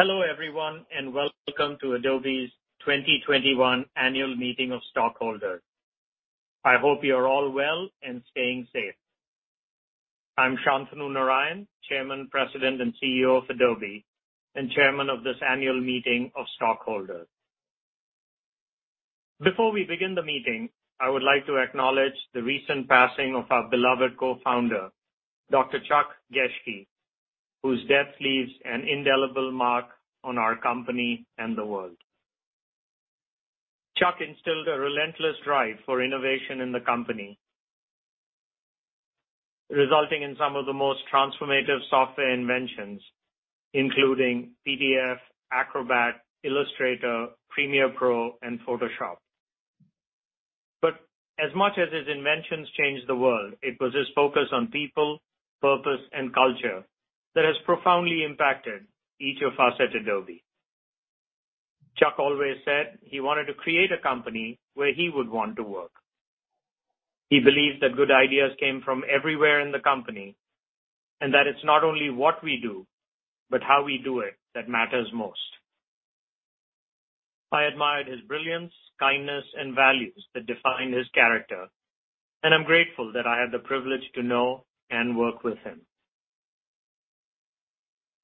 Hello everyone, and welcome to Adobe's 2021 annual meeting of stockholders. I hope you're all well and staying safe. I'm Shantanu Narayen, Chairman, President, and CEO of Adobe, and Chairman of this annual meeting of stockholders. Before we begin the meeting, I would like to acknowledge the recent passing of our beloved co-founder, Dr. Chuck Geschke, whose death leaves an indelible mark on our company and the world. Chuck instilled a relentless drive for innovation in the company, resulting in some of the most transformative software inventions, including PDF, Acrobat, Illustrator, Premiere Pro, and Photoshop. As much as his inventions changed the world, it was his focus on people, purpose, and culture that has profoundly impacted each of us at Adobe. Chuck always said he wanted to create a company where he would want to work. He believed that good ideas came from everywhere in the company, and that it's not only what we do, but how we do it that matters most. I admired his brilliance, kindness, and values that defined his character, and I'm grateful that I had the privilege to know and work with him.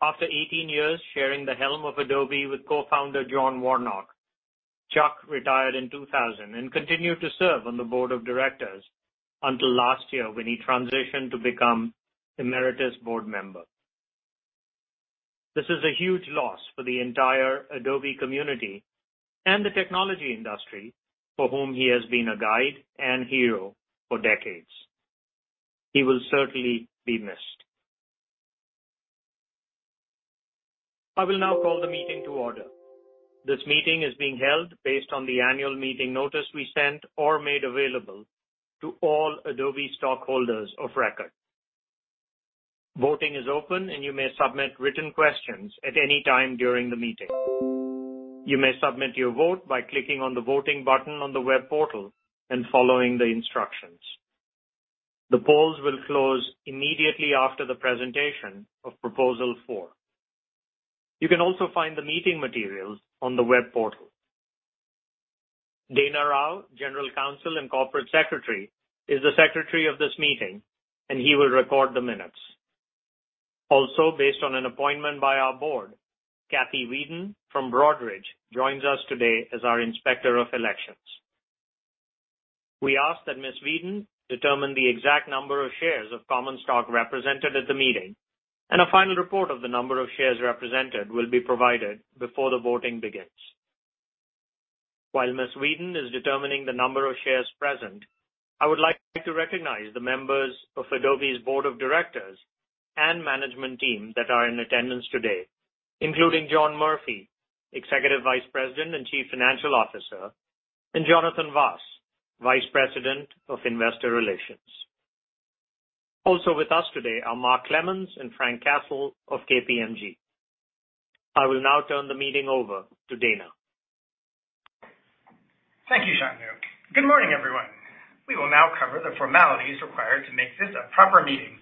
After 18 years sharing the helm of Adobe with Co-founder John Warnock, Chuck retired in 2000 and continued to serve on the board of directors until last year when he transitioned to become emeritus board member. This is a huge loss for the entire Adobe community and the technology industry, for whom he has been a guide and hero for decades. He will certainly be missed. I will now call the meeting to order. This meeting is being held based on the annual meeting notice we sent or made available to all Adobe stockholders of record. Voting is open, and you may submit written questions at any time during the meeting. You may submit your vote by clicking on the Voting button on the web portal and following the instructions. The polls will close immediately after the presentation of proposal 4. You can also find the meeting materials on the web portal. Dana Rao, General Counsel and Corporate Secretary, is the secretary of this meeting, and he will record the minutes. Also, based on an appointment by our board, Kathy Weedon from Broadridge joins us today as our Inspector of Elections. We ask that Ms. Weedon determine the exact number of shares of common stock represented at the meeting, and a final report of the number of shares represented will be provided before the voting begins. While Ms. Weedon is determining the number of shares present, I would like to recognize the members of Adobe's Board of Directors and management team that are in attendance today, including John Murphy, Executive Vice President and Chief Financial Officer, and Jonathan Vaas, Vice President of Investor Relations. Also with us today are Mark Lemons and Frank Castle of KPMG. I will now turn the meeting over to Dana. Thank you, Shantanu. Good morning, everyone. We will now cover the formalities required to make this a proper meeting.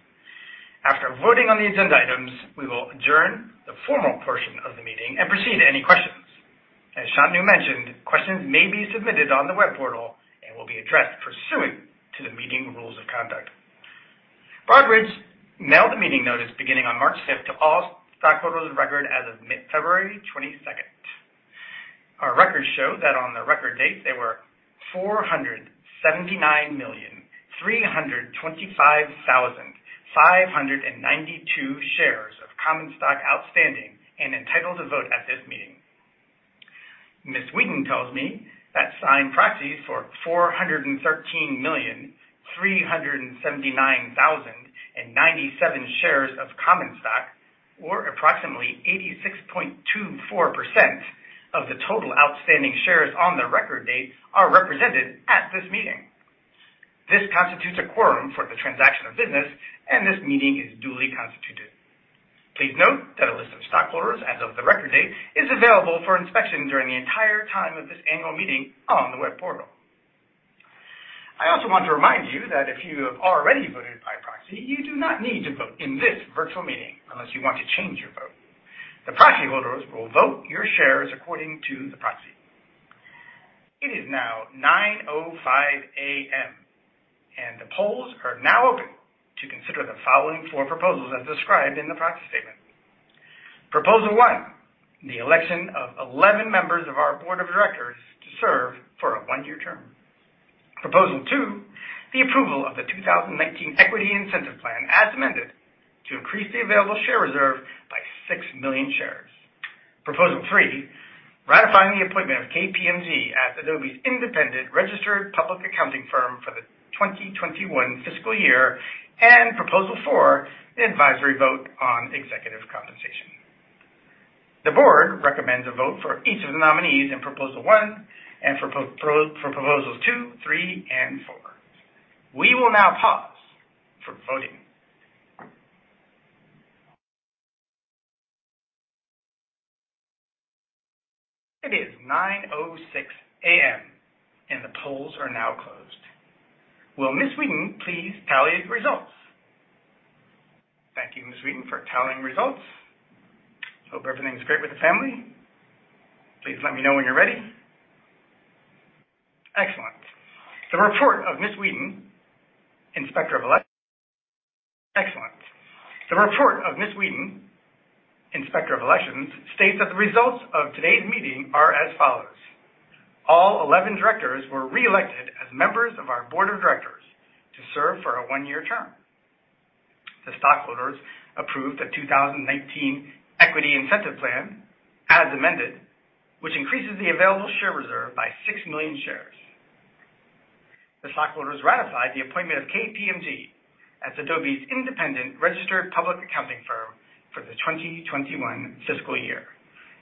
After voting on the agenda items, we will adjourn the formal portion of the meeting and proceed to any questions. As Shantanu mentioned, questions may be submitted on the web portal and will be addressed pursuant to the meeting rules of conduct. Broadridge mailed the meeting notice beginning on March 5th to all stockholders of record as of February 22nd. Our records show that on the record date, there were 479,325,592 shares of common stock outstanding and entitled to vote at this meeting. Ms. Weedon tells me that signed proxies for 413,379,097 shares of common stock, or approximately 86.24% of the total outstanding shares on the record date, are represented at this meeting. This constitutes a quorum for the transaction of business and this meeting is duly constituted. Please note that a list of stockholders as of the record date is available for inspection during the entire time of this annual meeting on the web portal. I also want to remind you that if you have already voted by proxy, you do not need to vote in this virtual meeting unless you want to change your vote. The proxy holders will vote your shares according to the proxy. It is now 9:05 A.M. The polls are now open to consider the following four proposals as described in the proxy statement. Proposal one, the election of 11 members of our board of directors to serve for a one-year term. Proposal two, the approval of the 2019 Equity Incentive Plan as amended, to increase the available share reserve by 6 million shares. Proposal 3, ratifying the appointment of KPMG as Adobe's independent registered public accounting firm for the 2021 fiscal year, and Proposal 4, the advisory vote on executive compensation. The board recommends a vote for each of the nominees in Proposal 1 and for Proposals 2, 3, and 4. We will now pause for voting. It is 9:06 A.M., and the polls are now closed. Will Ms. Weedon please tally the results? Thank you, Ms. Weedon, for tallying results. Hope everything's great with the family. Please let me know when you're ready. Excellent. The report of Ms. Weedon, Inspector of Elections, states that the results of today's meeting are as follows. All 11 directors were reelected as members of our board of directors to serve for a one-year term. The stockholders approved the 2019 Equity Incentive Plan as amended, which increases the available share reserve by 6 million shares. The stockholders ratified the appointment of KPMG as Adobe's independent registered public accounting firm for the 2021 fiscal year.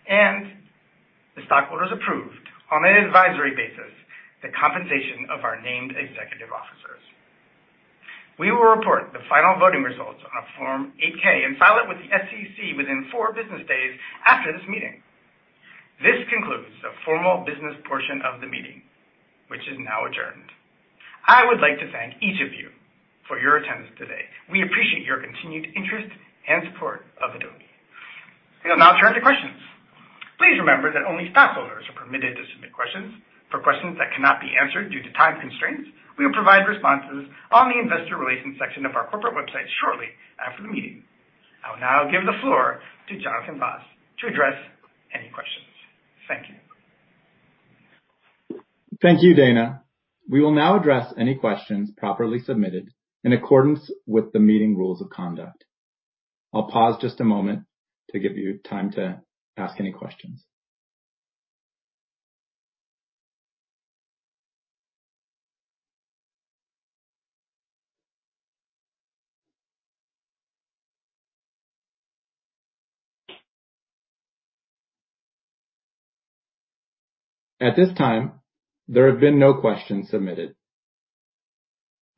The stockholders approved, on an advisory basis, the compensation of our named executive officers. We will report the final voting results on a Form 8-K and file it with the SEC within four business days after this meeting. This concludes the formal business portion of the meeting, which is now adjourned. I would like to thank each of you for your attendance today. We appreciate your continued interest and support of Adobe. We will now turn to questions. Please remember that only stockholders are permitted to submit questions. For questions that cannot be answered due to time constraints, we will provide responses on the investor relations section of our corporate website shortly after the meeting. I will now give the floor to Jonathan Vaas to address any questions. Thank you. Thank you, Dana. We will now address any questions properly submitted in accordance with the meeting rules of conduct. I'll pause just a moment to give you time to ask any questions. At this time, there have been no questions submitted.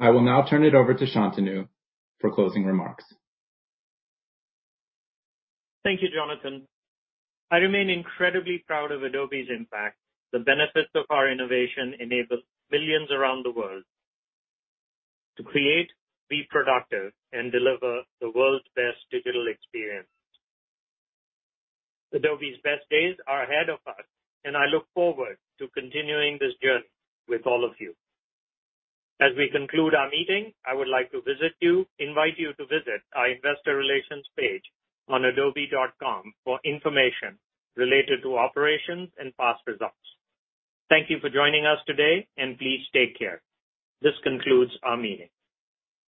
I will now turn it over to Shantanu for closing remarks. Thank you, Jonathan. I remain incredibly proud of Adobe's impact. The benefits of our innovation enable millions around the world to create, be productive, and deliver the world's best digital experience. Adobe's best days are ahead of us, and I look forward to continuing this journey with all of you. As we conclude our meeting, I would like to invite you to visit our investor relations page on adobe.com for information related to operations and past results. Thank you for joining us today, and please take care. This concludes our meeting.